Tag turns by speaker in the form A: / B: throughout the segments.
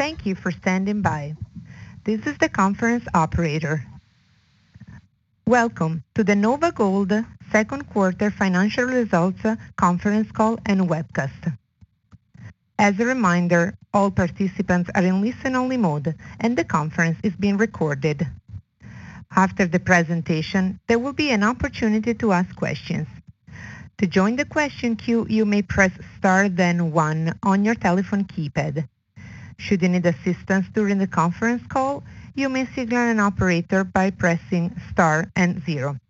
A: Thank you for standing by. This is the conference operator. Welcome to the NOVAGOLD second quarter financial results conference call and webcast. As a reminder, all participants are in listen-only mode, and the conference is being recorded. After the presentation, there will be an opportunity to ask questions. To join the question queue, you may press star then one on your telephone keypad. Should you need assistance during the conference call, you may signal an operator by pressing star and zero.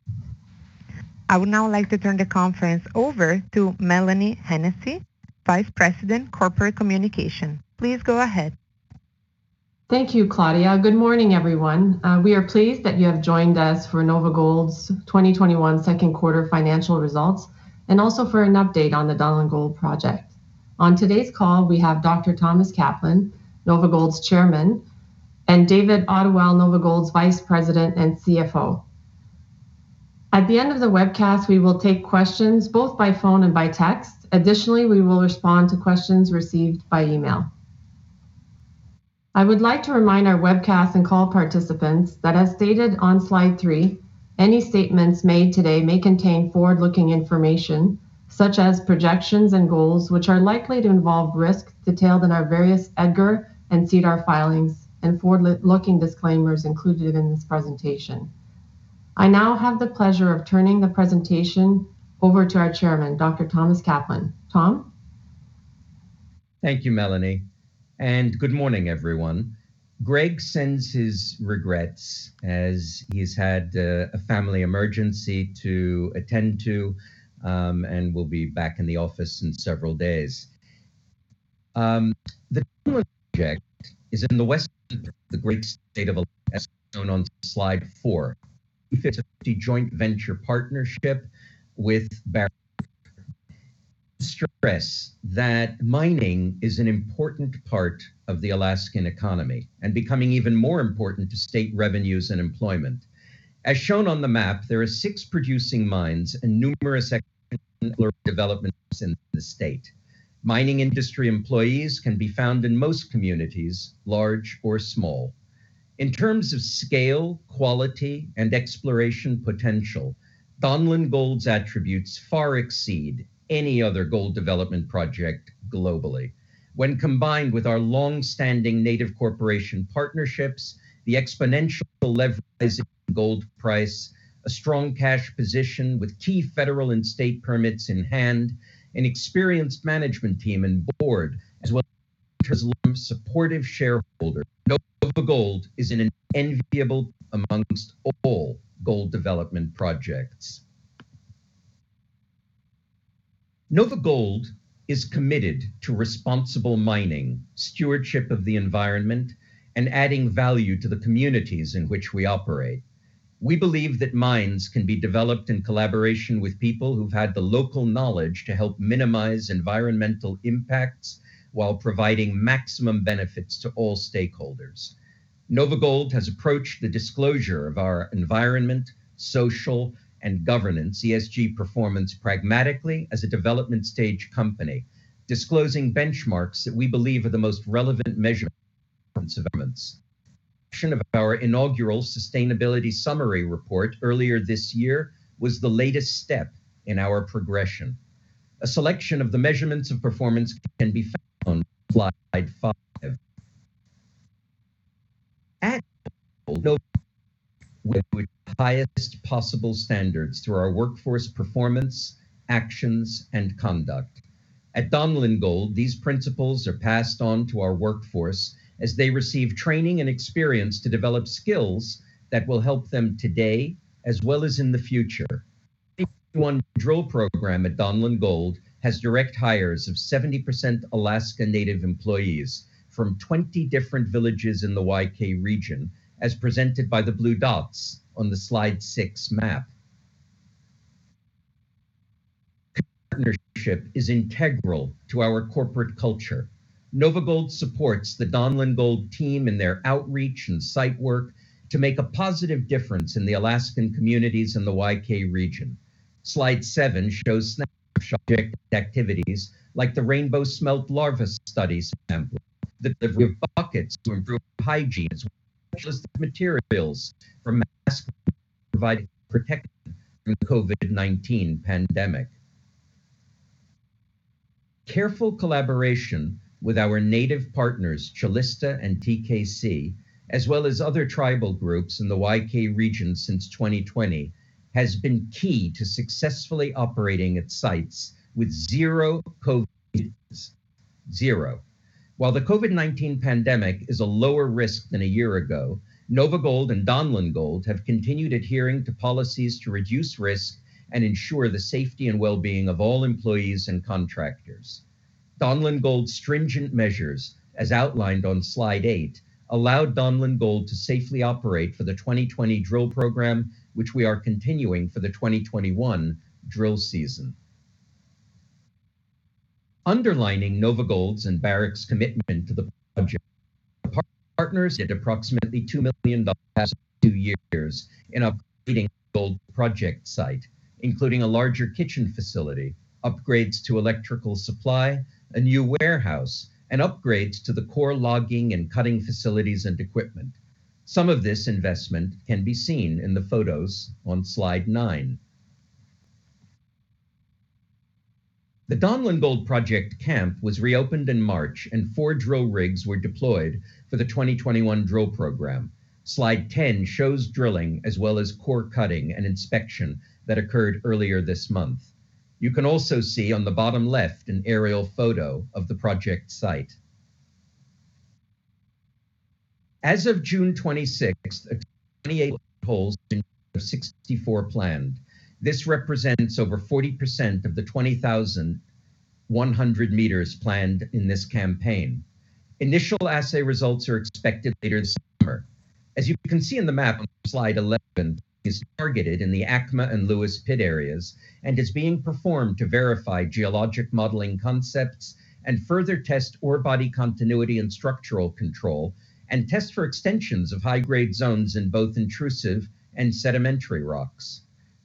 A: I would now like to turn the conference over to Mélanie Hennessey, Vice President, Corporate Communications. Please go ahead.
B: Thank you, Claudia. Good morning, everyone. We are pleased that you have joined us for NOVAGOLD's 2021 second quarter financial results, and also for an update on the Donlin Gold project. On today's call, we have Dr. Thomas Kaplan, NOVAGOLD's Chairman, and Dave Ottewell, NOVAGOLD's Vice President and CFO. At the end of the webcast, we will take questions both by phone and by text. Additionally, we will respond to questions received by email. I would like to remind our webcast and call participants that as stated on slide three, any statements made today may contain forward-looking information such as projections and goals, which are likely to involve risks detailed in our various EDGAR and SEDAR filings and forward-looking disclaimers included in this presentation. I now have the pleasure of turning the presentation over to our Chairman, Dr. Thomas Kaplan. Tom?
C: Thank you, Mélanie. Good morning, everyone. Greg sends his regrets as he's had a family emergency to attend to and will be back in the office in several days. The Donlin project is in the western part of the great state of Alaska, as shown on slide four. It's a 50/50 joint venture partnership with Barrick Gold. I would stress that mining is an important part of the Alaska economy and becoming even more important to state revenues and employment. As shown on the map, there are six producing mines and numerous exploration developments in the state. Mining industry employees can be found in most communities, large or small. In terms of scale, quality, and exploration potential, Donlin Gold's attributes far exceed any other gold development project globally. When combined with our long-standing native corporation partnerships, the exponential leveragability gold price, a strong cash position with key federal and state permits in hand, an experienced management team and board, as well as long-term supportive shareholders, NOVAGOLD is in an enviable position amongst all gold development projects. NOVAGOLD is committed to responsible mining, stewardship of the environment, and adding value to the communities in which we operate. We believe that mines can be developed in collaboration with people who have the local knowledge to help minimize environmental impacts while providing maximum benefits to all stakeholders. NOVAGOLD has approached the disclosure of our environment, social, and governance, ESG performance pragmatically as a development stage company, disclosing benchmarks that we believe are the most relevant measurements of performance developments. The production of our inaugural sustainability summary report earlier this year was the latest step in our progression. A selection of the measurements of performance can be found on slide five. At NOVAGOLD, we operate with the highest possible standards through our workforce performance, actions, and conduct. At Donlin Gold, these principles are passed on to our workforce as they receive training and experience to develop skills that will help them today as well as in the future. The 2021 drill program at Donlin Gold has direct hires of 70% Alaska Native employees from 20 different villages in the Y-K region, as presented by the blue dots on the slide six map. Community partnership is integral to our corporate culture. NOVAGOLD supports the Donlin Gold team in their outreach and site work to make a positive difference in the Alaskan communities in the Y-K region. Slide seven shows snapshots of project activities like the rainbow smelt larva studies sampling, the delivery of buckets to improve hygiene, as well as protective materials for mask-making to provide protection from the COVID-19 pandemic. Careful collaboration with our native partners, Calista and TKC, as well as other tribal groups in the Y-K region since 2020, has been key to successfully operating at sites with zero COVID cases. Zero. While the COVID-19 pandemic is a lower risk than a year ago, NOVAGOLD and Donlin Gold have continued adhering to policies to reduce risk and ensure the safety and wellbeing of all employees and contractors. Donlin Gold's stringent measures, as outlined on slide eight, allowed Donlin Gold to safely operate for the 2020 drill program, which we are continuing for the 2021 drill season. Underlining NOVAGOLD's and Barrick's commitment to the project. The partners did approximately $2 million over two years in upgrading the Donlin Gold project site, including a larger kitchen facility, upgrades to electrical supply, a new warehouse, and upgrades to the core logging and cutting facilities and equipment. Some of this investment can be seen in the photos on slide nine. The Donlin Gold project camp was reopened in March. Four drill rigs were deployed for the 2021 drill program. Slide 10 shows drilling as well as core cutting and inspection that occurred earlier this month. You can also see on the bottom left an aerial photo of the project site. As of June 26th, a total of 28 holes have been drilled of 64 planned. This represents over 40% of the 20,100 meters planned in this campaign. Initial assay results are expected later this summer. As you can see in the map on slide 11, drilling is targeted in the ACMA and Lewis Pit areas and is being performed to verify geologic modeling concepts and further test ore body continuity and structural control, and test for extensions of high-grade zones in both intrusive and sedimentary rocks.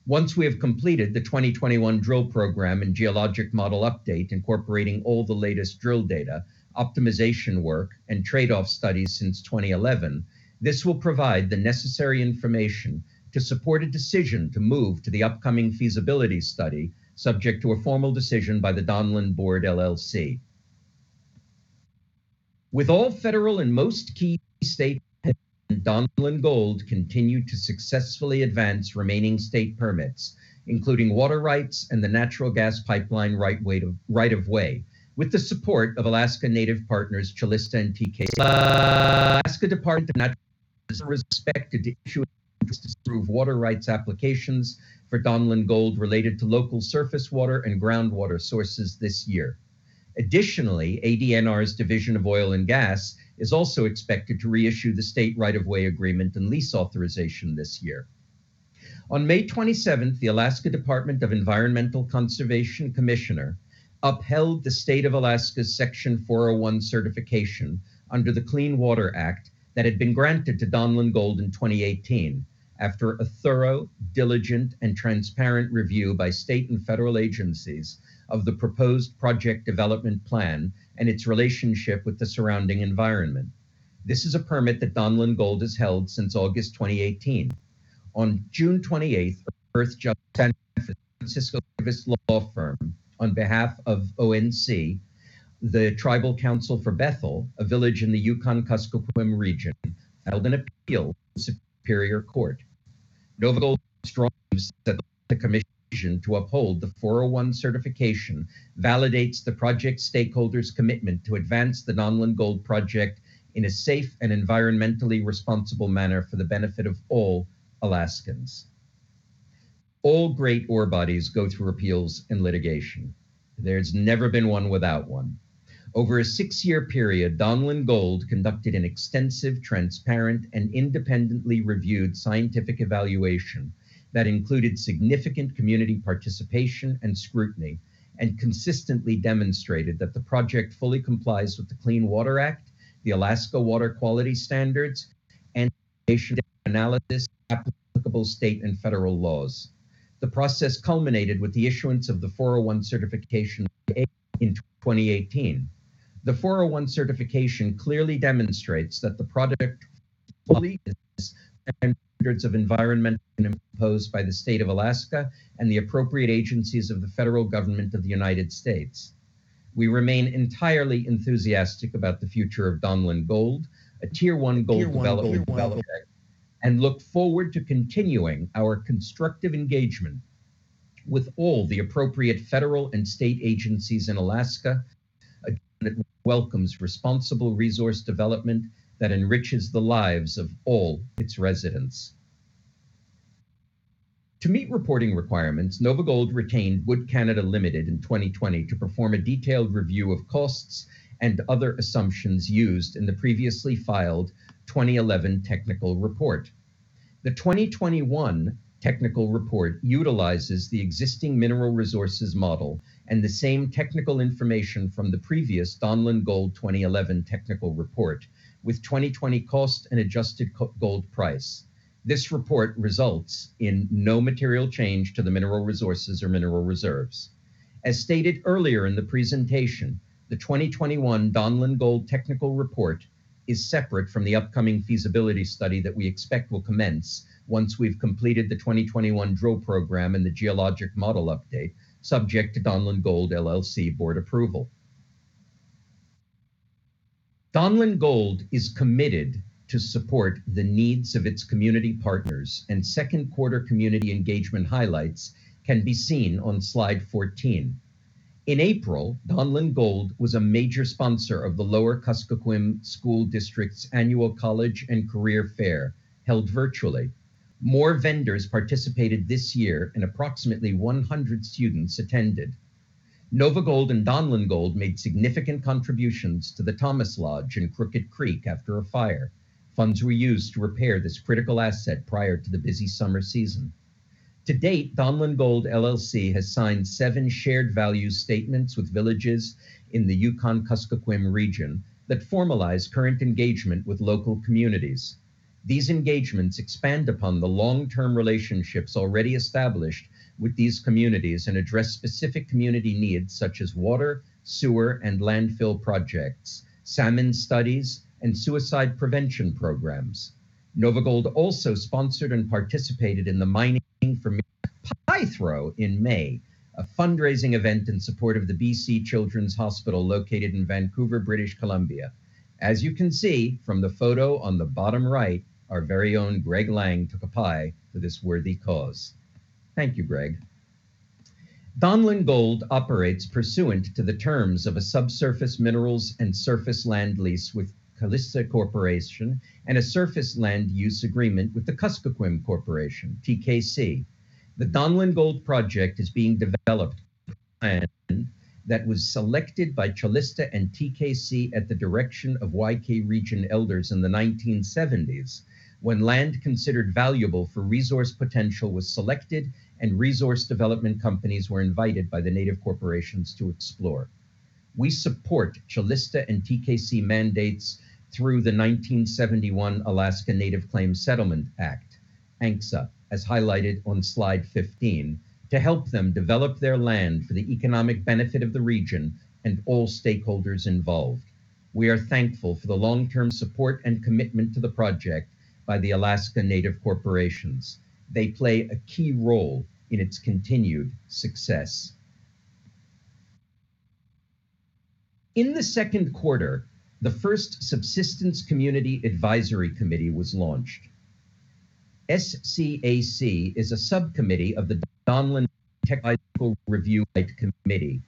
C: Once we have completed the 2021 drill program and geologic model update incorporating all the latest drill data, optimization work, and trade-off studies since 2011, this will provide the necessary information to support a decision to move to the upcoming feasibility study subject to a formal decision by the Donlin Gold LLC. With all federal and most key state permits, Donlin Gold continued to successfully advance remaining state permits, including water rights and the natural gas pipeline right of way. With the support of Alaska Native partners Calista and TKC, the Alaska Department of Natural Resources is expected to issue a notice to approve water rights applications for Donlin Gold related to local surface water and groundwater sources this year. Additionally, ADNR's Division of Oil and Gas is also expected to reissue the state right of way agreement and lease authorization this year. On May 27th, the Alaska Department of Environmental Conservation commissioner upheld the State of Alaska's Section 401 certification under the Clean Water Act that had been granted to Donlin Gold in 2018 after a thorough, diligent, and transparent review by state and federal agencies of the proposed project development plan and its relationship with the surrounding environment. This is a permit that Donlin Gold has held since August 2018. On June 28th, the Earthjustice San Francisco-based law firm, on behalf of ONC, the Tribal Council for Bethel, a village in the Yukon-Kuskokwim region, filed an appeal in the Superior Court. NOVAGOLD strongly believes that the commission decision to uphold the 401 certification validates the project stakeholders' commitment to advance the Donlin Gold project in a safe and environmentally responsible manner for the benefit of all Alaskans. All great ore bodies go through appeals and litigation. There's never been one without one. Over a six-year period, Donlin Gold conducted an extensive, transparent, and independently reviewed scientific evaluation that included significant community participation and scrutiny, and consistently demonstrated that the project fully complies with the Clean Water Act, the Alaska water quality standards, and an analysis of applicable state and federal laws. The process culminated with the issuance of the 401 certification in 2018. The 401 certification clearly demonstrates that the project fully meets standards of environment imposed by the State of Alaska and the appropriate agencies of the federal government of the United States. We remain entirely enthusiastic about the future of Donlin Gold, a Tier One gold development project, and look forward to continuing our constructive engagement with all the appropriate federal and state agencies in Alaska, a government that welcomes responsible resource development that enriches the lives of all its residents. To meet reporting requirements, NOVAGOLD retained Wood Canada Limited in 2020 to perform a detailed review of costs and other assumptions used in the previously filed 2011 Technical Report. The 2021 technical report utilizes the existing mineral resources model and the same technical information from the previous Donlin Gold 2011 Technical Report with 2020 cost and adjusted gold price. This report results in no material change to the mineral resources or mineral reserves. As stated earlier in the presentation, the 2021 Donlin Gold Technical Report is separate from the upcoming feasibility study that we expect will commence once we've completed the 2021 drill program and the geologic model update, subject to Donlin Gold LLC board approval. Donlin Gold is committed to support the needs of its community partners, and second quarter community engagement highlights can be seen on slide 14. In April, Donlin Gold was a major sponsor of the Lower Kuskokwim School District's annual college and career fair, held virtually. More vendors participated this year, and approximately 100 students attended. NOVAGOLD and Donlin Gold made significant contributions to the Thomas Lodge in Crooked Creek after a fire. Funds were used to repair this critical asset prior to the busy summer season. To date, Donlin Gold LLC has signed seven shared value statements with villages in the Yukon-Kuskokwim region that formalize current engagement with local communities. These engagements expand upon the long-term relationships already established with these communities and address specific community needs such as water, sewer, and landfill projects, salmon studies, and suicide prevention programs. NOVAGOLD also sponsored and participated in the Mining for Miracles Pie Throw in May, a fundraising event in support of the BC Children's Hospital located in Vancouver, British Columbia. As you can see from the photo on the bottom right, our very own Greg Lang took a pie for this worthy cause. Thank you, Greg. Donlin Gold operates pursuant to the terms of a subsurface minerals and surface land lease with Calista Corporation and a surface land use agreement with The Kuskokwim Corporation, TKC. The Donlin Gold project is being developed on land that was selected by Calista and TKC at the direction of Y-K region elders in the 1970s, when land considered valuable for resource potential was selected and resource development companies were invited by the Native Corporations to explore. We support Calista and TKC mandates through the 1971 Alaska Native Claims Settlement Act, ANCSA, as highlighted on slide 15, to help them develop their land for the economic benefit of the region and all stakeholders involved. We are thankful for the long-term support and commitment to the project by the Alaska Native Corporations. They play a key role in its continued success. In the second quarter, the first Subsistence Community Advisory Committee was launched. SCAC is a subcommittee of the Donlin Technical Review Committee.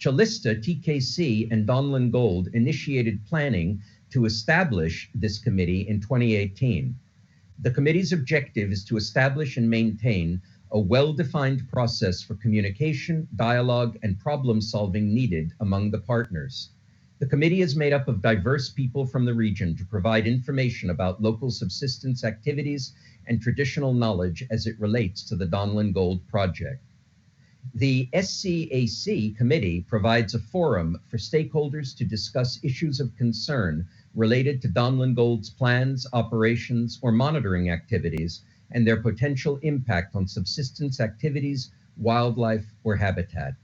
C: Calista, TKC, and Donlin Gold initiated planning to establish this committee in 2018. The committee's objective is to establish and maintain a well-defined process for communication, dialogue, and problem-solving needed among the partners. The committee is made up of diverse people from the region to provide information about local subsistence activities and traditional knowledge as it relates to the Donlin Gold project. The SCAC committee provides a forum for stakeholders to discuss issues of concern related to Donlin Gold's plans, operations, or monitoring activities and their potential impact on subsistence activities, wildlife, or habitat.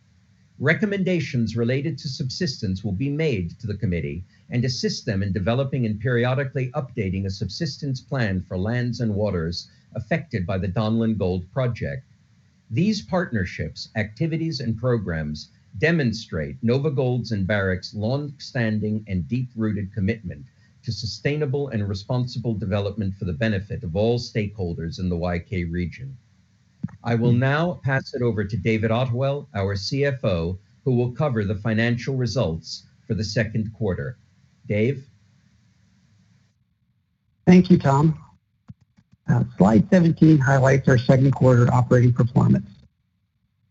C: Recommendations related to subsistence will be made to the committee and assist them in developing and periodically updating a subsistence plan for lands and waters affected by the Donlin Gold project. These partnerships, activities, and programs demonstrate NOVAGOLD's and Barrick's long-standing and deep-rooted commitment to sustainable and responsible development for the benefit of all stakeholders in the Y-K region. I will now pass it over to Dave Ottewell, our CFO, who will cover the financial results for the second quarter. Dave?
D: Thank you, Tom. Slide 17 highlights our second quarter operating performance.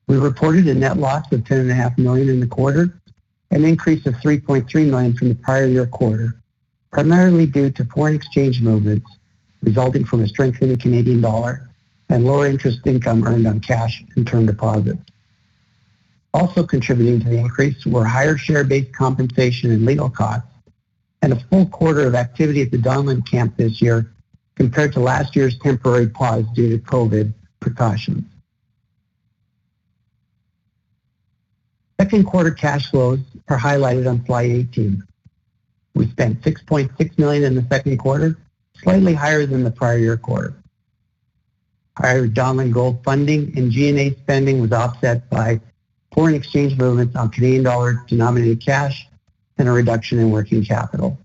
D: We reported a net loss of $10.5 million in the quarter, an increase of $3.3 million from the prior year quarter, primarily due to foreign exchange movements resulting from a strengthening Canadian dollar and lower interest income earned on cash and term deposits. Also contributing to the increase were higher share-based compensation and legal costs and a full quarter of activity at the Donlin Gold camp this year compared to last year's temporary pause due to COVID-19 precautions. Second quarter cash flows are highlighted on slide 18. We spent $6.6 million in the second quarter, slightly higher than the prior year quarter. Prior Donlin Gold funding and G&A spending was offset by foreign exchange movements on Canadian dollar-denominated cash and a reduction in working capital.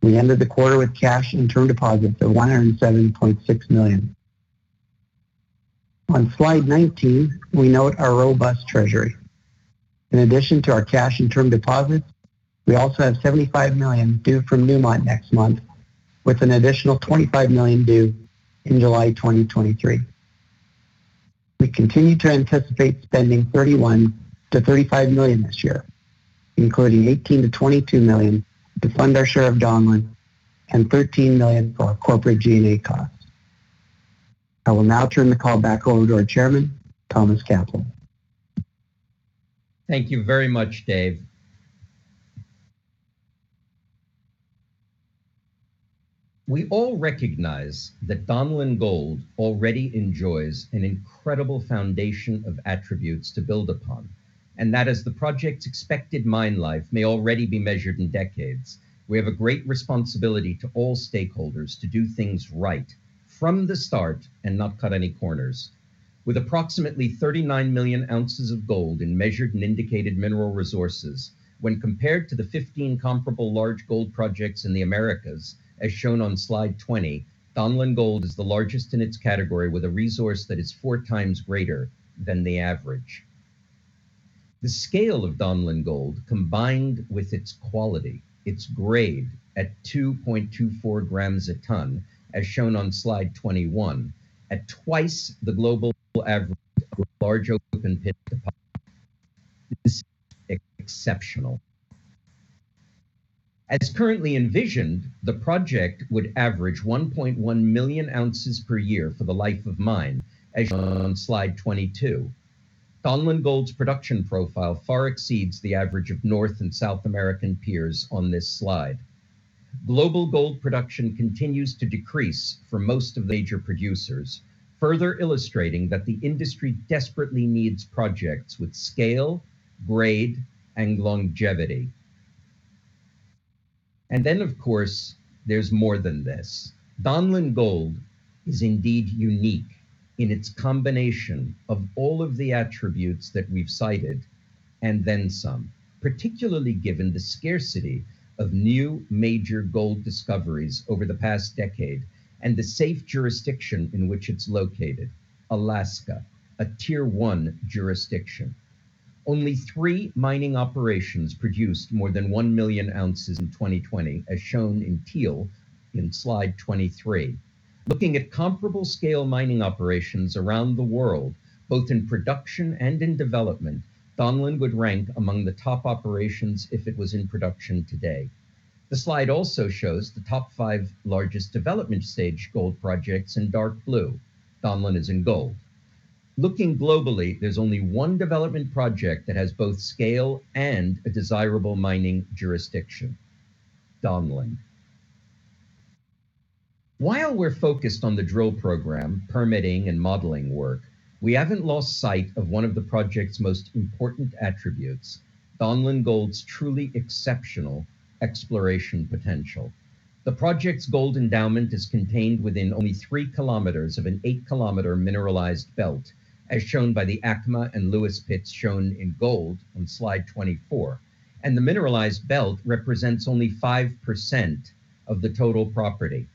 D: We ended the quarter with cash and term deposits of $107.6 million. On slide 19, we note our robust treasury. In addition to our cash and term deposits, we also have $75 million due from Newmont next month, with an additional $25 million due in July 2023. We continue to anticipate spending $31 million-$35 million this year, including $18 million-$22 million to fund our share of Donlin and $13 million for our corporate G&A costs. I will now turn the call back over to our Chairman, Thomas Kaplan.
C: Thank you very much, Dave. We all recognize that Donlin Gold already enjoys an incredible foundation of attributes to build upon, and that as the project's expected mine life may already be measured in decades, we have a great responsibility to all stakeholders to do things right from the start and not cut any corners. With approximately 39 million ounces of gold in measured and indicated mineral resources, when compared to the 15 comparable large gold projects in the Americas, as shown on slide 20, Donlin Gold is the largest in its category with a resource that is four times greater than the average. The scale of Donlin Gold, combined with its quality, its grade at 2.24 grams a ton, as shown on slide 21, at twice the global average for large open pit deposits, is exceptional. As currently envisioned, the project would average 1.1 million ounces per year for the life of mine, as shown on slide 22. Donlin Gold's production profile far exceeds the average of North and South American peers on this slide. Global gold production continues to decrease for most of the major producers, further illustrating that the industry desperately needs projects with scale, grade, and longevity. Of course, there's more than this. Donlin Gold is indeed unique in its combination of all of the attributes that we've cited, and then some, particularly given the scarcity of new major gold discoveries over the past decade and the safe jurisdiction in which it's located, Alaska, a Tier One jurisdiction. Only three mining operations produced more than 1 million ounces in 2020, as shown in teal in slide 23. Looking at comparable scale mining operations around the world, both in production and in development, Donlin would rank among the top operations if it was in production today. The slide also shows the top five largest development stage gold projects in dark blue. Donlin is in gold. Looking globally, there's only one development project that has both scale and a desirable mining jurisdiction, Donlin. While we're focused on the drill program, permitting, and modeling work, we haven't lost sight of one of the project's most important attributes, Donlin Gold's truly exceptional exploration potential. The project's gold endowment is contained within only 3 km of an 8-km mineralized belt, as shown by the ACMA and Lewis pits shown in gold on slide 24, and the mineralized belt represents only 5% of the total property.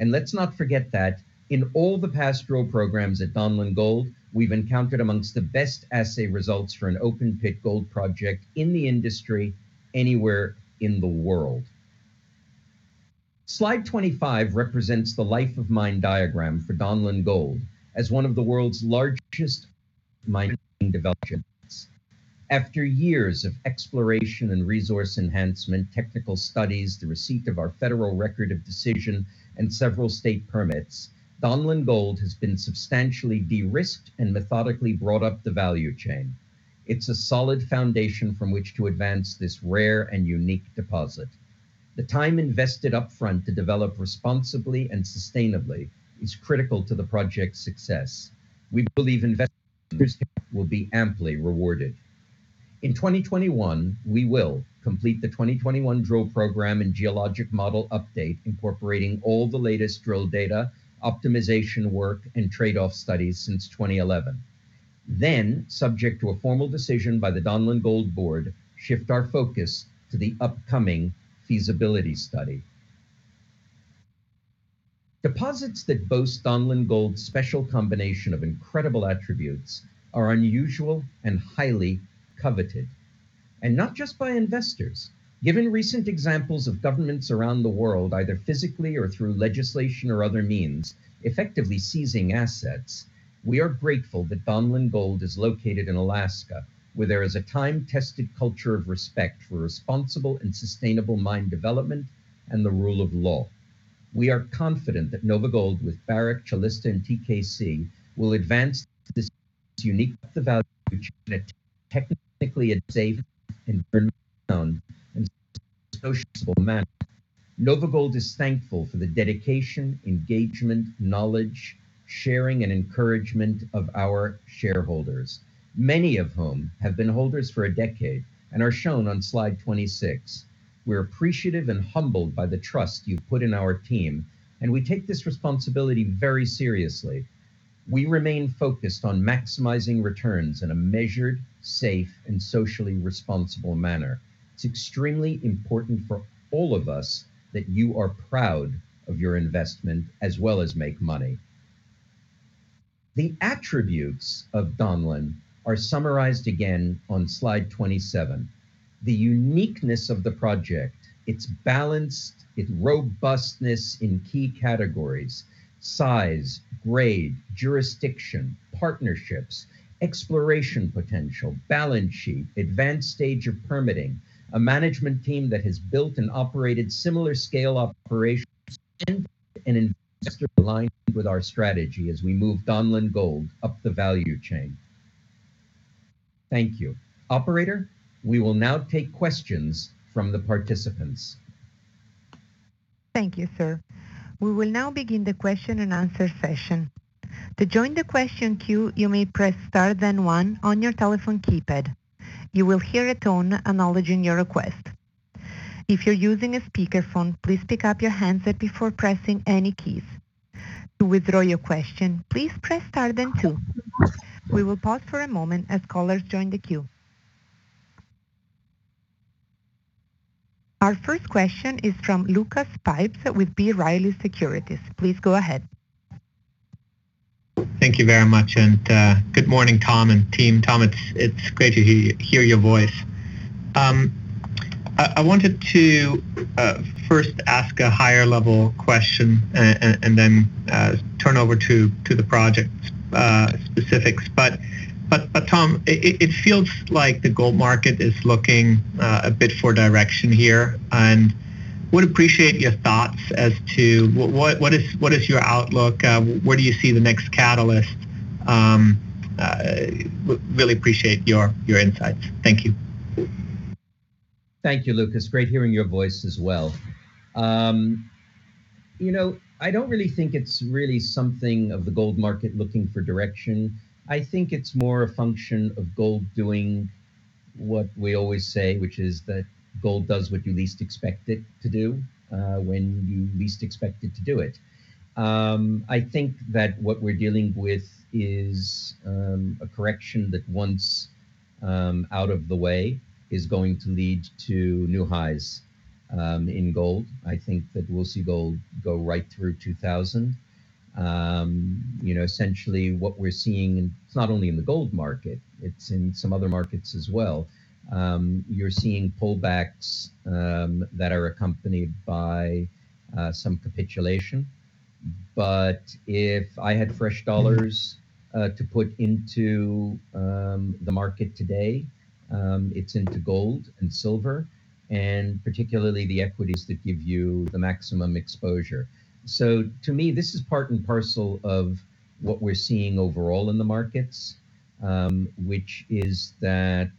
C: Let's not forget that in all the past drill programs at Donlin Gold, we've encountered amongst the best assay results for an open-pit gold project in the industry, anywhere in the world. Slide 25 represents the life of mine diagram for Donlin Gold as one of the world's largest mine developments. After years of exploration and resource enhancement, technical studies, the receipt of our federal record of decision, and several state permits, Donlin Gold has been substantially de-risked and methodically brought up the value chain. It's a solid foundation from which to advance this rare and unique deposit. The time invested upfront to develop responsibly and sustainably is critical to the project's success. We believe investors' patience will be amply rewarded. In 2021, we will complete the 2021 drill program and geologic model update incorporating all the latest drill data, optimization work, and trade-off studies since 2011. Subject to a formal decision by the Donlin Gold board, shift our focus to the upcoming feasibility study. Deposits that boast Donlin Gold's special combination of incredible attributes are unusual and highly coveted. Not just by investors. Given recent examples of governments around the world, either physically or through legislation or other means, effectively seizing assets, we are grateful that Donlin Gold is located in Alaska, where there is a time-tested culture of respect for responsible and sustainable mine development and the rule of law. We are confident that NOVAGOLD, with Barrick, Calista, and TKC, will advance this unique value which is technically and safely and in a socially responsible manner. NOVAGOLD is thankful for the dedication, engagement, knowledge, sharing, and encouragement of our shareholders, many of whom have been holders for a decade and are shown on slide 26. We're appreciative and humbled by the trust you've put in our team, and we take this responsibility very seriously. We remain focused on maximizing returns in a measured, safe, and socially responsible manner. It's extremely important for all of us that you are proud of your investment as well as make money. The attributes of Donlin are summarized again on slide 27. The uniqueness of the project, its balance, its robustness in key categories, size, grade, jurisdiction, partnerships, exploration potential, balance sheet, advanced stage of permitting, a management team that has built and operated similar scale operations, and an investor aligned with our strategy as we move Donlin Gold up the value chain. Thank you. Operator, we will now take questions from the participants.
A: Thank you, sir. We will now begin the question and answer session. To join the question queue, you may press star then one on your telephone keypad. You will hear a tone acknowledging your request. If you're using a speakerphone, please pick up your handset before pressing any keys. To withdraw your question, please press star then two. We will pause for a moment as callers join the queue. Our first question is from Lucas Pipes with B. Riley Securities. Please go ahead.
E: Thank you very much. Good morning, Tom and team. Tom, it's great to hear your voice. I wanted to first ask a higher level question and then turn over to the project specifics. Tom, it feels like the gold market is looking a bit for direction here, and would appreciate your thoughts as to what is your outlook? Where do you see the next catalyst? Really appreciate your insights. Thank you.
C: Thank you, Lucas. Great hearing your voice as well. I don't really think it's really something of the gold market looking for direction. I think it's more a function of gold doing what we always say, which is that gold does what you least expect it to do, when you least expect it to do it. I think that what we're dealing with is a correction that once out of the way, is going to lead to new highs in gold. I think that we'll see gold go right through 2,000. Essentially what we're seeing, it's not only in the gold market, it's in some other markets as well. You're seeing pullbacks that are accompanied by some capitulation. If I had fresh dollars to put into the market today, it's into gold and silver, and particularly the equities that give you the maximum exposure. To me, this is part and parcel of what we're seeing overall in the markets, which is that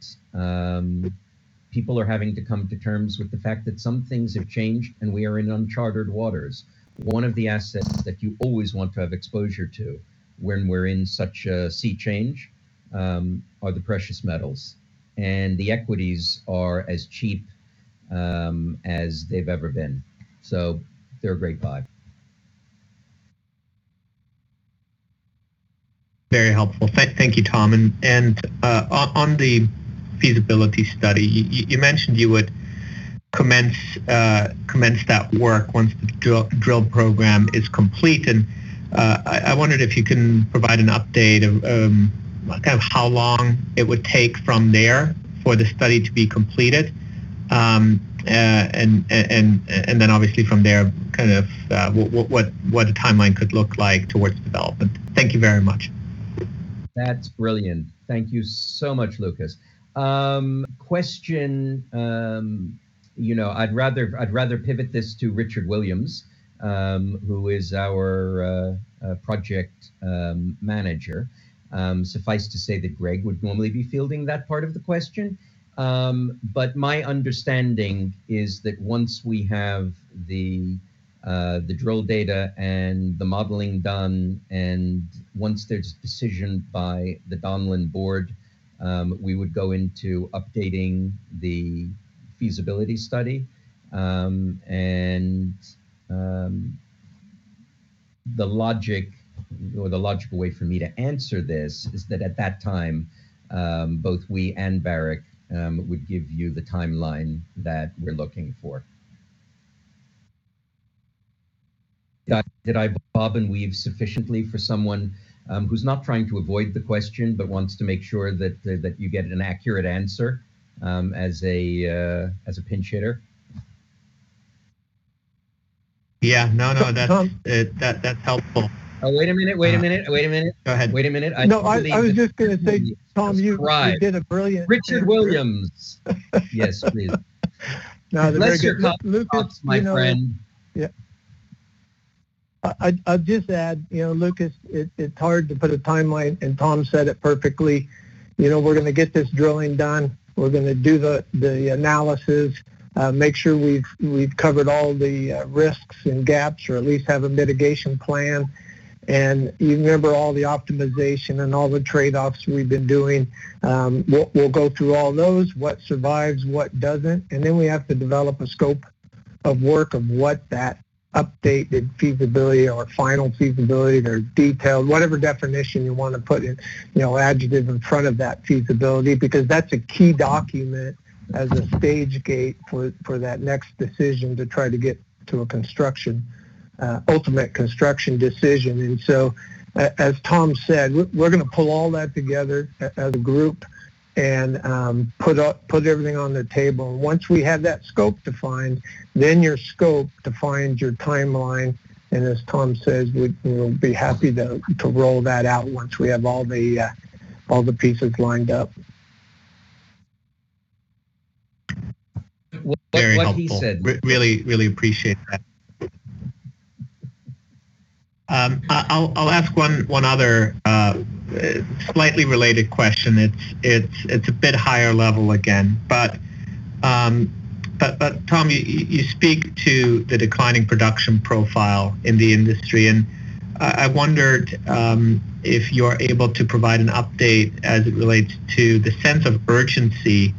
C: people are having to come to terms with the fact that some things have changed and we are in uncharted waters. One of the assets that you always want to have exposure to when we're in such a sea change, are the precious metals, and the equities are as cheap as they've ever been. They're a great buy.
E: Very helpful. Thank you, Tom. On the feasibility study, you mentioned you would commence that work once the drill program is complete, and I wondered if you can provide an update of how long it would take from there for the study to be completed, and then obviously from there, what the timeline could look like towards development. Thank you very much.
C: That's brilliant. Thank you so much, Lucas. Question, I'd rather pivot this to Richard Williams, who is our project manager. Suffice to say that Greg would normally be fielding that part of the question. My understanding is that once we have the drill data and the modeling done, and once there's a decision by the Donlin board, we would go into updating the feasibility study, and the logical way for me to answer this is that at that time, both we and Barrick would give you the timeline that we're looking for. Did I bob and weave sufficiently for someone who's not trying to avoid the question, but wants to make sure that you get an accurate answer, as a pinch hitter?
E: Yeah. No, that's helpful.
C: Oh, wait a minute. Wait a minute. Wait a minute.
E: Go ahead. No, I was just going to say, Tom, you did a brilliant-
C: Richard Williams.
F: Yes, please.
C: Lucas, my friend.
F: I'll just add, Lucas, it is hard to put a timeline, Tom said it perfectly. We are going to get this drilling done. We are going to do the analysis, make sure we have covered all the risks and gaps or at least have a mitigation plan. Remember all the optimization and all the trade-offs we have been doing, we will go through all those, what survives, what does not, then we have to develop a scope of work of what that updated feasibility or final feasibility or detailed, whatever definition you want to put an adjective in front of that feasibility, because that is a key document as a stage gate for that next decision to try to get to a ultimate construction decision. As Tom said, we are going to pull all that together as a group and put everything on the table. Once we have that scope defined, then your scope defines your timeline, and as Tom says, we'll be happy to roll that out once we have all the pieces lined up.
E: Very helpful. Really appreciate that. I'll ask one other slightly related question. It's a bit higher level again, but Tom, you speak to the declining production profile in the industry, and I wondered if you're able to provide an update as it relates to the sense of urgency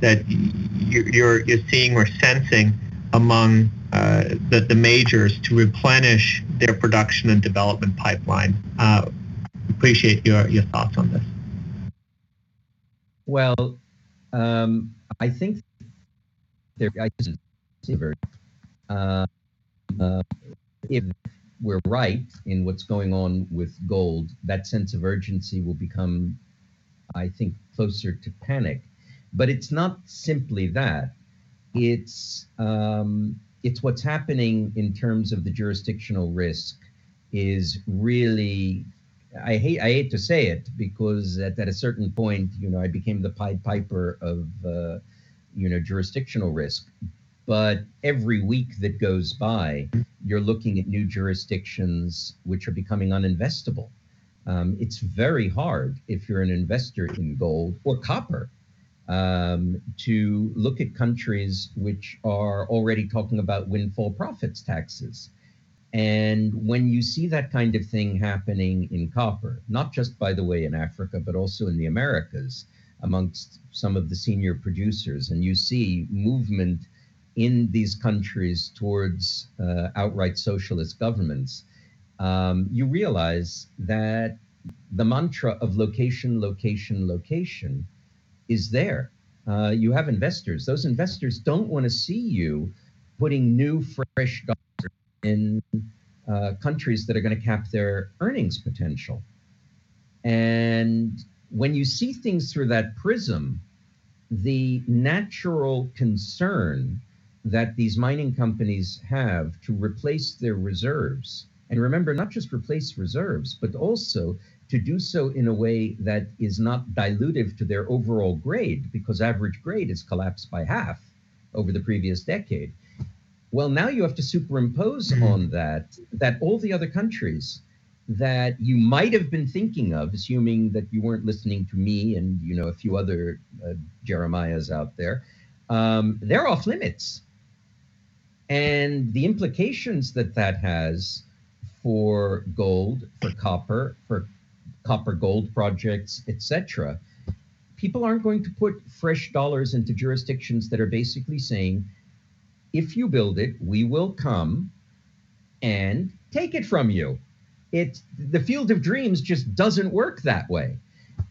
E: that you're seeing or sensing among the majors to replenish their production and development pipeline. Appreciate your thoughts on this.
C: Well, I think there is a sense of urgency. If we're right in what's going on with gold, that sense of urgency will become, I think, closer to panic. It's not simply that. It's what's happening in terms of the jurisdictional risk is really, I hate to say it because at a certain point, I became the Pied Piper of jurisdictional risk. Every week that goes by, you're looking at new jurisdictions which are becoming uninvestable. It's very hard if you're an investor in gold or copper to look at countries which are already talking about windfall profits taxes. When you see that kind of thing happening in copper, not just by the way, in Africa, but also in the Americas amongst some of the senior producers, and you see movement in these countries towards outright socialist governments, you realize that the mantra of location, location is there. You have investors. Those investors don't want to see you putting new fresh dollars in countries that are going to cap their earnings potential. When you see things through that prism, the natural concern that these mining companies have to replace their reserves, and remember, not just replace reserves, but also to do so in a way that is not dilutive to their overall grade, because average grade has collapsed by half over the previous decade. Well, now you have to superimpose on that all the other countries that you might have been thinking of, assuming that you weren't listening to me and a few other Jeremiahs out there, they're off-limits. The implications that has for gold, for copper, for copper-gold projects, et cetera, people aren't going to put fresh dollars into jurisdictions that are basically saying, "If you build it, we will come and take it from you." The field of dreams just doesn't work that way.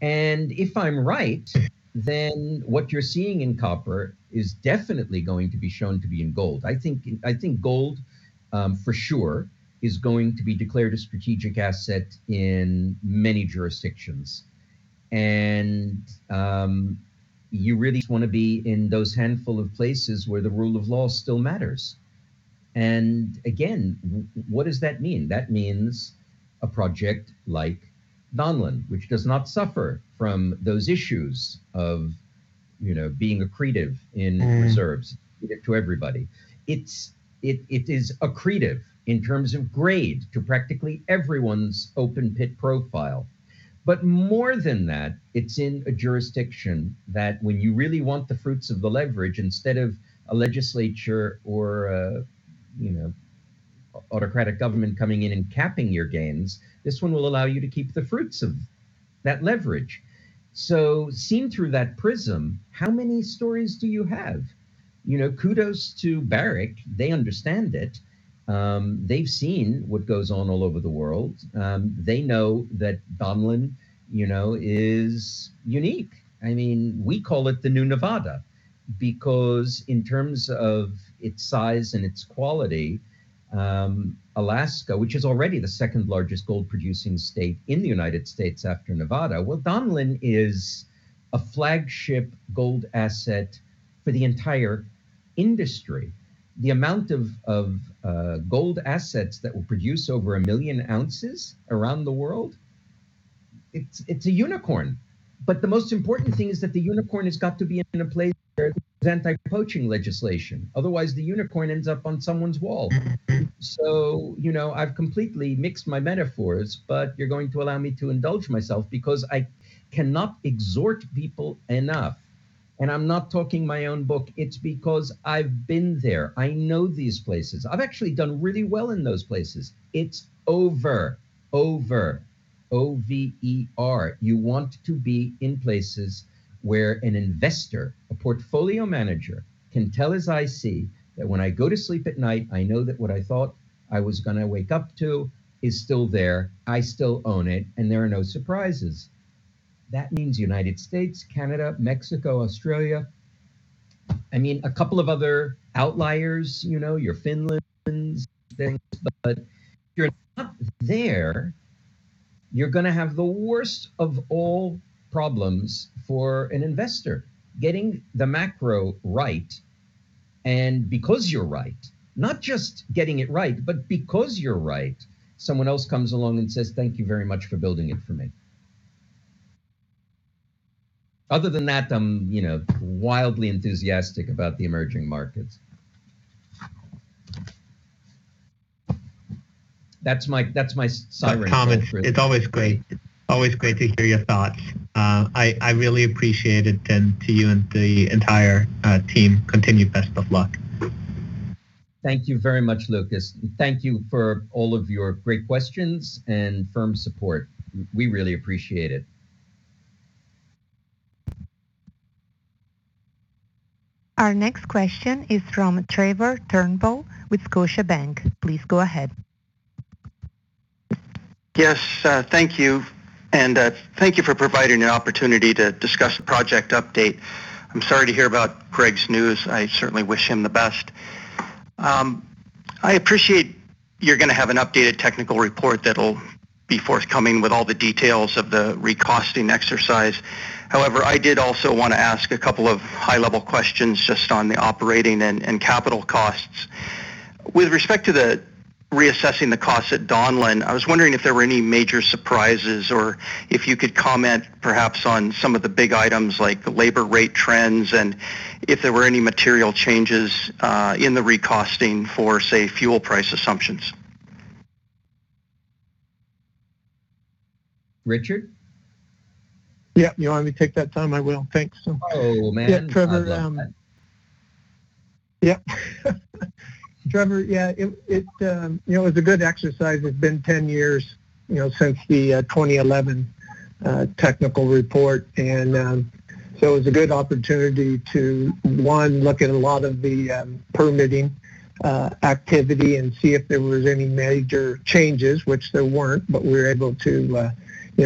C: If I'm right, then what you're seeing in copper is definitely going to be shown to be in gold. I think gold, for sure, is going to be declared a strategic asset in many jurisdictions. You really just want to be in those handful of places where the rule of law still matters. Again, what does that mean? That means a project like Donlin, which does not suffer from those issues of being accretive in reserves to everybody. It is accretive in terms of grade to practically everyone's open-pit profile. More than that, it's in a jurisdiction that when you really want the fruits of the leverage instead of a legislature or autocratic government coming in and capping your gains, this one will allow you to keep the fruits of that leverage. Seen through that prism, how many stories do you have? Kudos to Barrick. They understand it. They've seen what goes on all over the world. They know that Donlin is unique. We call it the new Nevada because in terms of its size and its quality, Alaska, which is already the second-largest gold-producing state in the U.S. after Nevada, well, Donlin is a flagship gold asset for the entire industry. The amount of gold assets that will produce over 1 million ounces around the world, it's a unicorn. The most important thing is that the unicorn has got to be in a place where there's anti-poaching legislation. Otherwise, the unicorn ends up on someone's wall. I've completely mixed my metaphors, but you're going to allow me to indulge myself because I cannot exhort people enough. I'm not talking my own book. It's because I've been there. I know these places. I've actually done really well in those places. It's over, o-v-e-r. You want to be in places where an investor, a portfolio manager, can tell his IC that when I go to sleep at night, I know that what I thought I was going to wake up to is still there. I still own it, and there are no surprises. That means U.S., Canada, Mexico, Australia. A couple of other outliers, your Finland things, but you're not there, you're going to have the worst of all problems for an investor. Getting the macro right, because you're right, not just getting it right, but because you're right, someone else comes along and says, "Thank you very much for building it for me." Other than that, I'm wildly enthusiastic about the emerging markets. That's my siren call for the.
E: Thomas, it is always great to hear your thoughts. I really appreciate it, and to you and the entire team, continued best of luck.
C: Thank you very much, Lucas. Thank you for all of your great questions and firm support. We really appreciate it.
A: Our next question is from Trevor Turnbull with Scotiabank. Please go ahead.
G: Yes, thank you. Thank you for providing an opportunity to discuss the project update. I'm sorry to hear about Greg's news. I certainly wish him the best. I appreciate you're going to have an updated technical report that'll be forthcoming with all the details of the re-costing exercise. However, I did also want to ask a couple of high-level questions just on the operating and capital costs. With respect to the reassessing the cost at Donlin, I was wondering if there were any major surprises or if you could comment perhaps on some of the big items like the labor rate trends and if there were any material changes in the re-costing for, say, fuel price assumptions.
C: Richard?
F: Yeah, you want me to take that, Tom? I will. Thanks.
C: Oh, man. I love it.
F: Trevor, it was a good exercise. It's been 10 years since the 2011 Technical Report, it was a good opportunity to, one, look at a lot of the permitting activity and see if there was any major changes, which there weren't, we were able to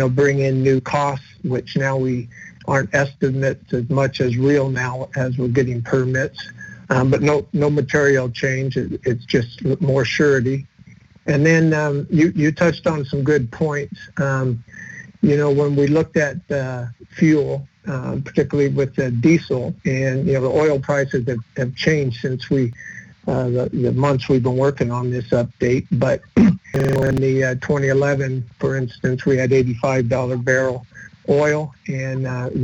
F: bring in new costs, which now aren't estimates as much as real now as we're getting permits. No material change, it's just more surety. You touched on some good points. When we looked at the fuel, particularly with the diesel, the oil prices have changed since the months we've been working on this update. In the 2011, for instance, we had $85 barrel oil, we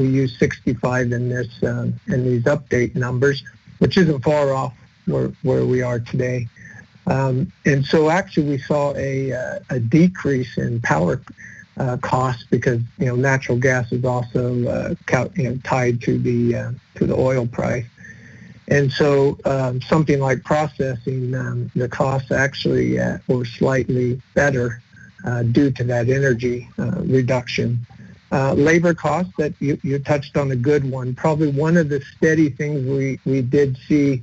F: used $65 in these update numbers, which isn't far off where we are today. Actually we saw a decrease in power cost because natural gas is also tied to the oil price. Something like processing, the costs actually were slightly better due to that energy reduction. Labor cost, you touched on a good one. Probably one of the steady things we did see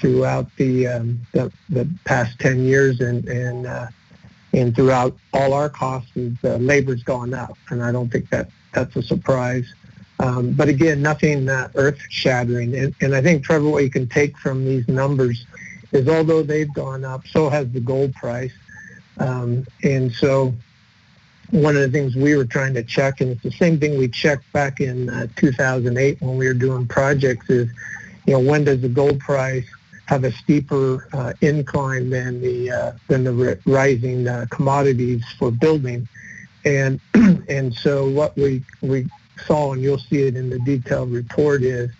F: throughout the past 10 years and throughout all our costs is labor's gone up, and I don't think that's a surprise. Again, nothing that earth-shattering. I think, Trevor, what you can take from these numbers is although they've gone up, so has the gold price. One of the things we were trying to check, and it's the same thing we checked back in 2008 when we were doing projects is, when does the gold price have a steeper incline than the rising commodities for building? What we saw, and you'll see it in the detailed report, is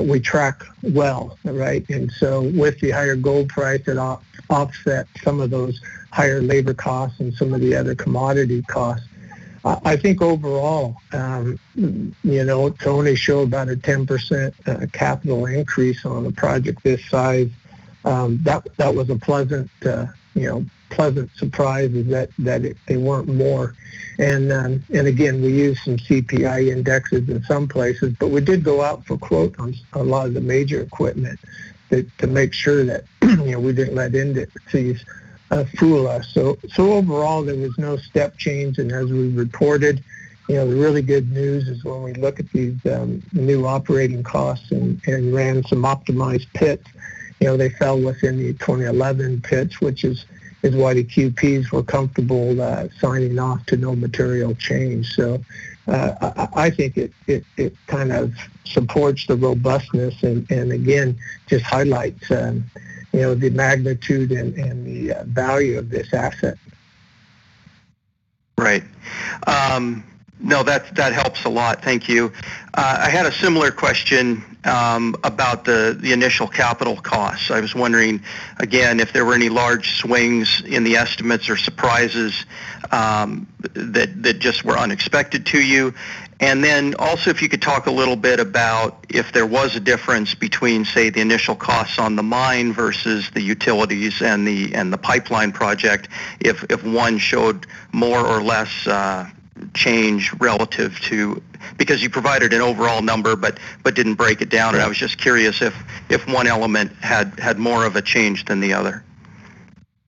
F: we track well, right? With the higher gold price, it offsets some of those higher labor costs and some of the other commodity costs. I think overall, to only show about a 10% capital increase on a project this size, that was a pleasant surprise is that they weren't more. Again, we used some CPI indexes in some places, but we did go out for quote on a lot of the major equipment to make sure that we didn't let indices fool us. Overall, there was no step change in as we reported. The really good news is when we look at these new operating costs and ran some optimized pits, they fell within the 2011 pits, which is why the QPs were comfortable signing off to no material change. I think it kind of supports the robustness and, again, just highlights the magnitude and the value of this asset.
G: Right. No, that helps a lot. Thank you. I had a similar question about the initial capital costs. I was wondering, again, if there were any large swings in the estimates or surprises that just were unexpected to you. Also, if you could talk a little bit about if there was a difference between, say, the initial costs on the mine versus the utilities and the pipeline project, if one showed more or less change relative to, because you provided an overall number but didn't break it down. I was just curious if one element had more of a change than the other.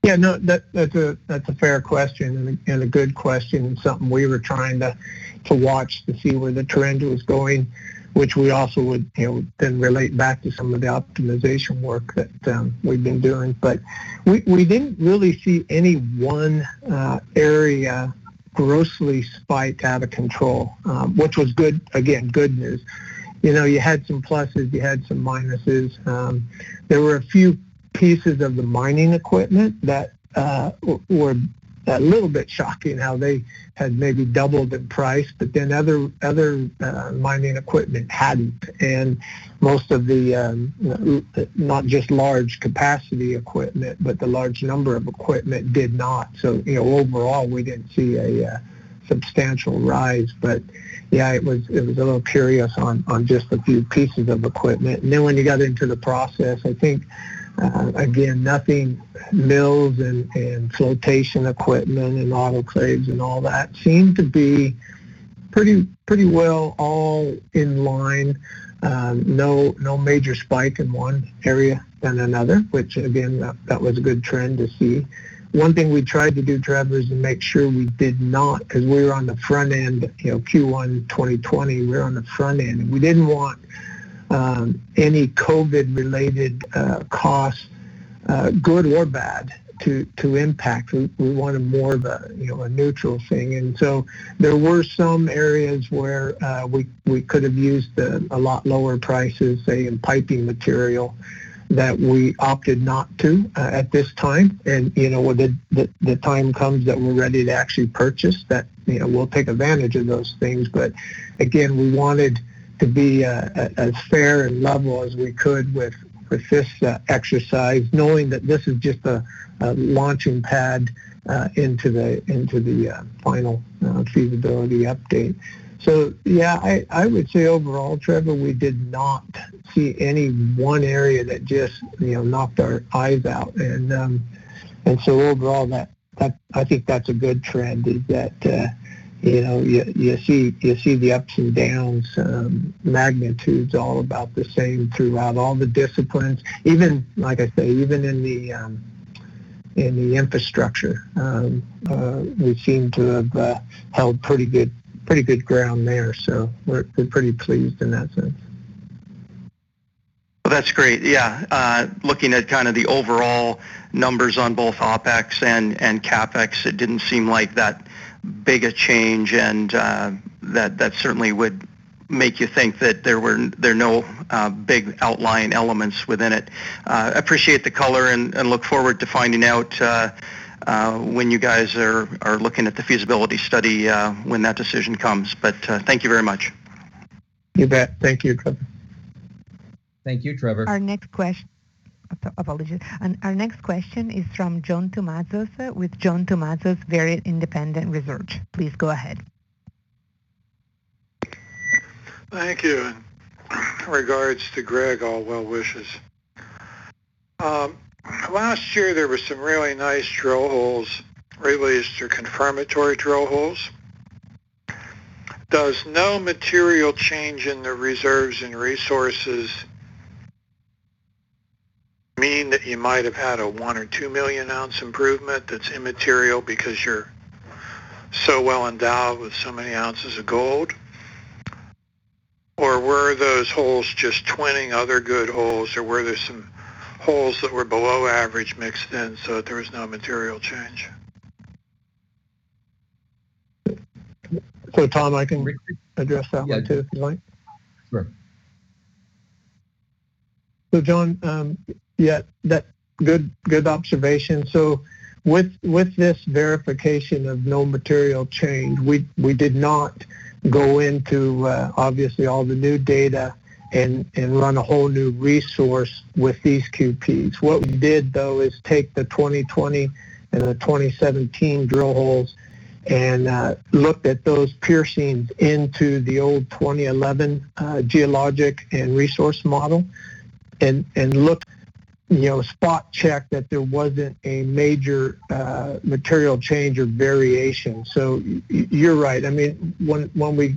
F: Yeah, no, that's a fair question and a good question, and something we were trying to watch to see where the trend was going, which we also would then relate back to some of the optimization work that we've been doing. we didn't really see any one area grossly spike out of control, which was good. Again, good news. You had some pluses, you had some minuses. There were a few pieces of the mining equipment that were a little bit shocking how they had maybe doubled in price, but then other mining equipment hadn't. most of the, not just large capacity equipment, but the large number of equipment did not. overall, we didn't see a substantial rise. yeah, it was a little curious on just a few pieces of equipment. When you got into the process, mills and flotation equipment and autoclaves and all that seemed to be pretty well all in line. No major spike in one area than another, which again, that was a good trend to see. One thing we tried to do, Trevor, is to make sure we did not, because we were on the front end, Q1 2020, we were on the front end. We didn't want any COVID related costs, good or bad to impact. We wanted more of a neutral thing. There were some areas where we could have used a lot lower prices, say, in piping material that we opted not to at this time. When the time comes that we're ready to actually purchase that, we'll take advantage of those things. Again, we wanted to be as fair and level as we could with this exercise, knowing that this is just a launching pad into the final feasibility update. Yeah, I would say overall, Trevor, we did not see any one area that just knocked our eyes out. Overall, I think that's a good trend, is that you see the ups and downs, magnitudes all about the same throughout all the disciplines. Even, like I say, even in the infrastructure we seem to have held pretty good ground there. We're pretty pleased in that sense.
G: That's great. Looking at kind of the overall numbers on both OpEx and CapEx, it didn't seem like that big a change, and that certainly would make you think that there are no big outlying elements within it. Appreciate the color and look forward to finding out when you guys are looking at the feasibility study when that decision comes. Thank you very much.
F: You bet. Thank you, Trevor.
C: Thank you, Trevor.
A: Apologies. Our next question is from John Tumazos with John Tumazos Very Independent Research. Please go ahead.
H: Thank you. Regards to Greg, all well wishes. Last year, there were some really nice drill holes related to confirmatory drill holes. Does no material change in the reserves and resources mean that you might have had a 1 or 2 million ounce improvement that's immaterial because you're so well endowed with so many ounces of gold? Or were those holes just twinning other good holes, or were there some holes that were below average mixed in, so there was no material change?
F: Tom, I can address that one, too, if you like.
C: Sure.
F: John, yeah, good observation. With this verification of no material change, we did not go into obviously all the new data and run a whole new resource with these QPs. What we did, though, is take the 2020 and the 2017 drill holes and looked at those piercings into the old 2011 geologic and resource model and look, spot check that there wasn't a major material change or variation. You're right, when we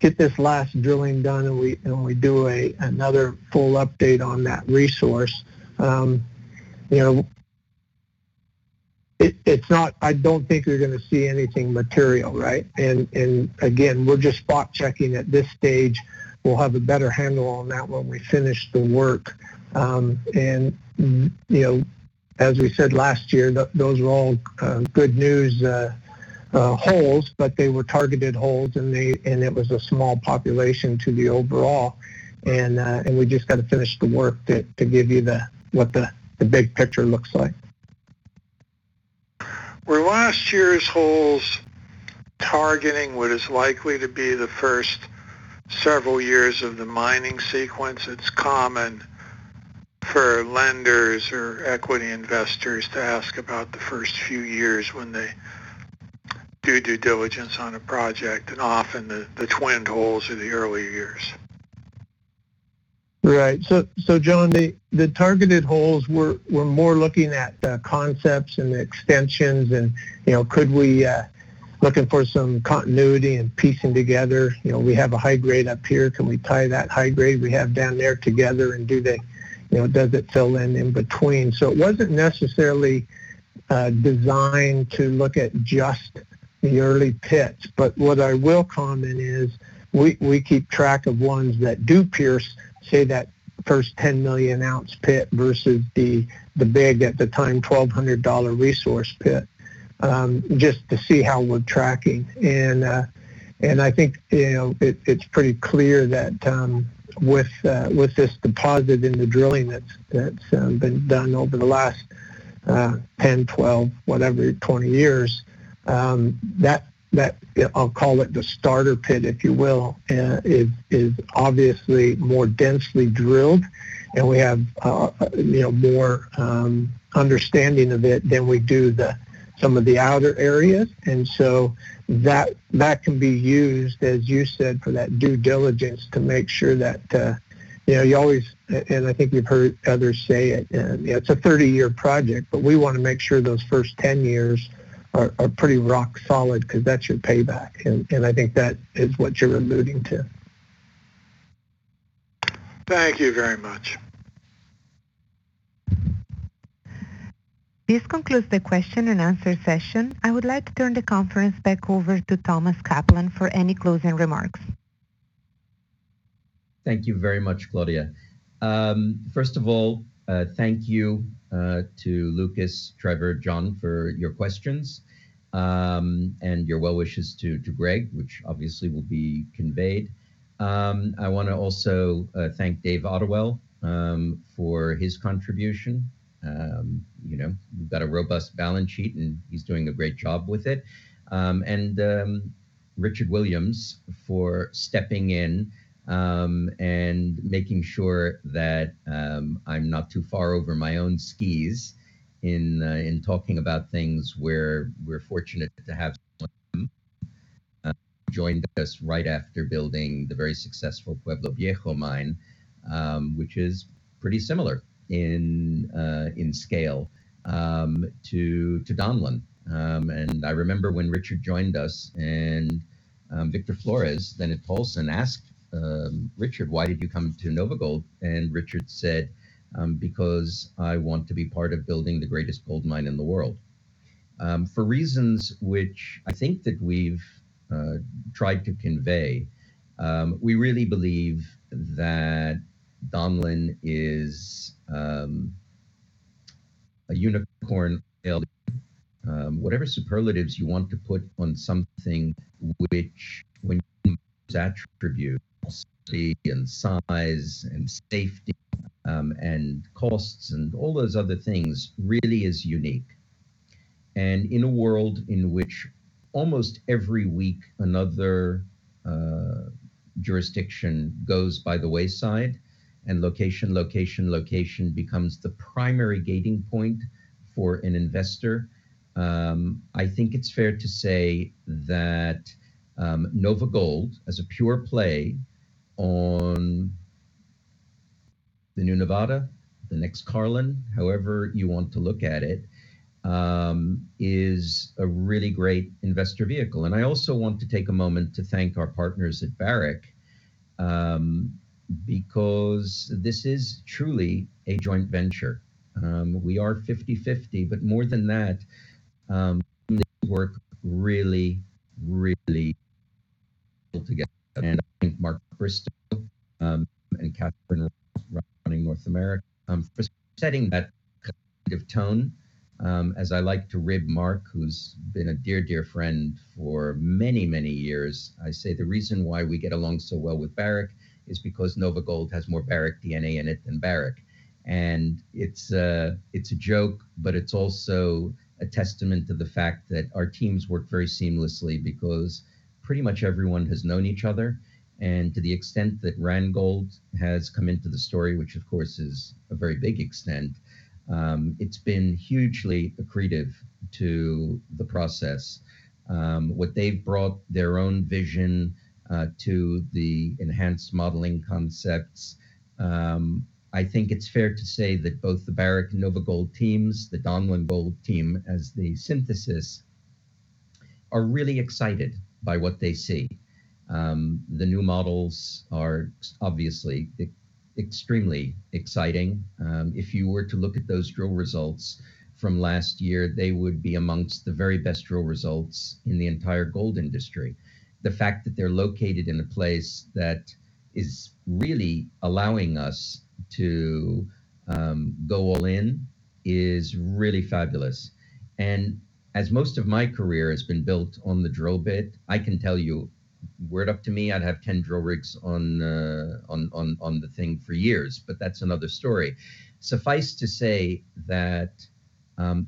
F: get this last drilling done and we do another full update on that resource, I don't think you're going to see anything material, right? Again, we're just spot checking at this stage. We'll have a better handle on that when we finish the work. As we said last year, those are all good news holes, but they were targeted holes, and it was a small population to the overall, and we just got to finish the work to give you what the big picture looks like.
H: Were last year's holes targeting what is likely to be the first several years of the mining sequence? It's common for lenders or equity investors to ask about the first few years when they do due diligence on a project, and often the twinned holes are the early years.
F: Right. John, the targeted holes were more looking at the concepts and the extensions, looking for some continuity and piecing together. We have a high grade up here, can we tie that high grade we have down there together? Does it fill in in between? It wasn't necessarily designed to look at just the early pits. What I will comment is we keep track of ones that do pierce, say, that first 10 million ounce pit versus the big, at the time, $1,200 resource pit, just to see how we're tracking. I think it's pretty clear that with this deposit in the drilling that's been done over the last 10 years, 12 years, whatever, 20 years, I'll call it the starter pit, if you will, is obviously more densely drilled, and we have more understanding of it than we do some of the outer areas. That can be used, as you said, for that due diligence to make sure that, you always, and I think you've heard others say it, and it's a 30-year project, but we want to make sure those first 10 years are pretty rock solid because that's your payback. I think that is what you're alluding to.
H: Thank you very much.
A: This concludes the question and answer session. I would like to turn the conference back over to Thomas Kaplan for any closing remarks.
C: Thank you very much, Claudia. First of all, thank you to Lucas, Trevor, John, for your questions, and your well wishes to Greg, which obviously will be conveyed. I want to also thank Dave Ottewell for his contribution. We've got a robust balance sheet, and he's doing a great job with it. I want to also thank Richard Williams for stepping in and making sure that I'm not too far over my own skis in talking about things where we're fortunate to have someone who joined us right after building the very successful Pueblo Viejo mine, which is pretty similar in scale to Donlin. I remember when Richard joined us, Victor Flores, then at Paulson, asked Richard, "Why did you come to NOVAGOLD?" Richard said, "Because I want to be part of building the greatest gold mine in the world." For reasons which I think that we've tried to convey, we really believe that Donlin is a unicorn in the making. Whatever superlatives you want to put on something which, when you look at those attributes, proximity and size and safety and costs and all those other things, really is unique. In a world in which almost every week another jurisdiction goes by the wayside, and location, location becomes the primary gating point for an investor, I think it's fair to say that NOVAGOLD, as a pure play on the new Nevada, the next Carlin, however you want to look at it, is a really great investor vehicle. I also want to take a moment to thank our partners at Barrick, because this is truly a joint venture. We are 50/50, but more than that we work really, really well together. I thank Mark Bristow and Catherine Raw for running North America for setting that collaborative tone. As I like to rib Mark, who's been a dear friend for many, many years, I say the reason why we get along so well with Barrick is because NOVAGOLD has more Barrick DNA in it than Barrick. It's a joke, but it's also a testament to the fact that our teams work very seamlessly because pretty much everyone has known each other. To the extent that Randgold Resources has come into the story, which of course is a very big extent, it's been hugely accretive to the process. What they've brought their own vision to the enhanced modeling concepts. I think it's fair to say that both the Barrick and NOVAGOLD teams, the Donlin Gold team as the synthesis, are really excited by what they see. The new models are obviously extremely exciting. If you were to look at those drill results from last year, they would be amongst the very best drill results in the entire gold industry. The fact that they're located in a place that is really allowing us to go all in is really fabulous. As most of my career has been built on the drill bit, I can tell you, were it up to me, I'd have 10 drill rigs on the thing for years. That's another story. Suffice to say that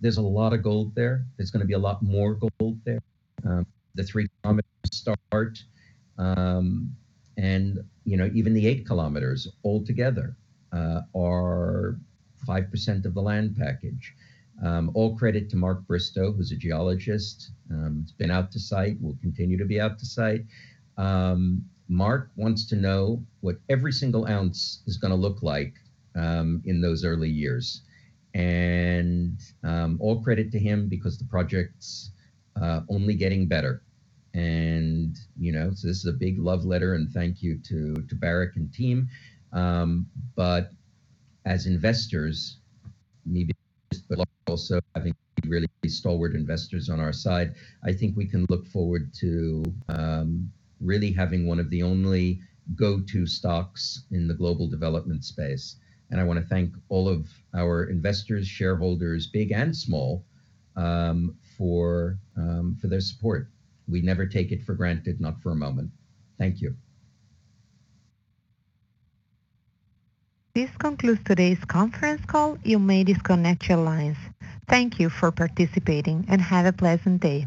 C: there's a lot of gold there. There's going to be a lot more gold there. The 3 km to start, and even the 8 km altogether are 5% of the land package. All credit to Mark Bristow, who's a geologist, has been out to site, will continue to be out to site. Mark wants to know what every single ounce is going to look like in those early years. All credit to him because the project's only getting better. This is a big love letter and thank you to Barrick and team. As investors, needing to raise but also having really forward investors on our side, I think we can look forward to really having one of the only go-to stocks in the global development space. I want to thank all of our investors, shareholders, big and small, for their support. We never take it for granted, not for a moment. Thank you.
A: This concludes today's conference call. You may disconnect your lines. Thank you for participating and have a pleasant day.